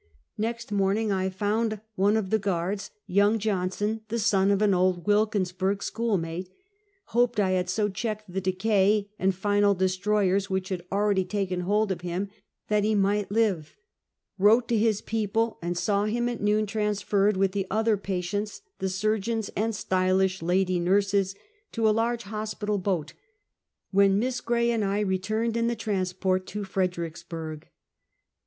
^ext morning I found on one of the guards, young Johnson, the son of an old Wilkinsburg schoolmate, Hoped I had so checked the decay and final destroyers which had already taken hold of him, that he might live. "Wrote to his people, and saw him at noon trans ferred with the other patients, the surgeons and stylish lady nurses, to a large hospital boat; when Miss Gray and I returned in the transport to Fredricksburg.